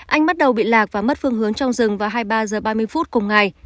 anh bắt đầu bị lạc và mất phương hướng trong rừng vào hai mươi ba h ba mươi phút cùng ngày